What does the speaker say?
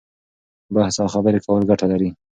بحث او خبرې کول ګټه لري.